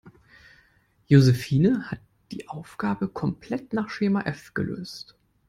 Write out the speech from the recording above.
Josephine hat die Aufgabe komplett nach Schema F gelöst.